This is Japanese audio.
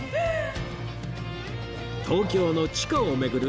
東京の地下を巡る